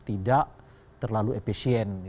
tidak terlalu efisien